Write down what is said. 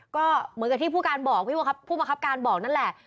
ก็เหมือนกับที่ผู้การบอกผู้บังคับการบอกนั่นแหละ